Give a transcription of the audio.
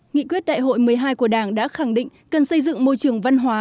nghị quyết đại hội một mươi hai của đảng đã khẳng định cần xây dựng môi trường văn hóa